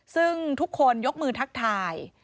ซึ่งทุกคนยกมือทักทาย